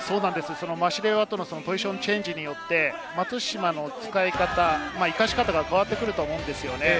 マシレワとのポジションチェンジによって松島が使い方、生かし方が変わってくると思います。